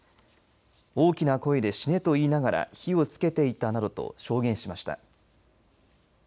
大きな声で死ねと言いながら火をつけていたなどと証言しました。